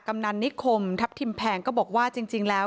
กำนันนิคมทัพทิมแพงก็บอกว่าจริงแล้ว